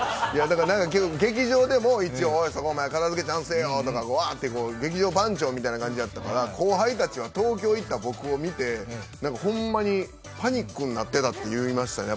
劇場でも、おまえ、そこ片づけちゃんとせえよとか劇場番長みたいな感じだったから後輩たちは東京に行った僕たちを見てほんまにパニックになってたって言ってましたよね。